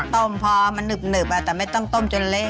พอมันหนึบแต่ไม่ต้องต้มจนเละ